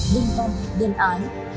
nhưng không đơn ái